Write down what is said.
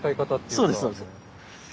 そうですそうです。